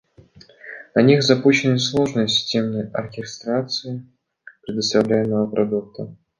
На них запущены сложные системы оркестрации предоставляемого продукта.